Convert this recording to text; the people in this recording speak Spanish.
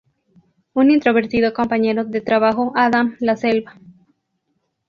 Un introvertido compañero de trabajo, Adam, la salva.